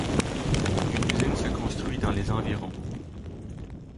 Une usine se construit dans les environs.